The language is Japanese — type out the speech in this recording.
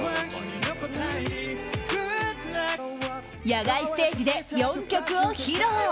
野外ステージで４曲を披露。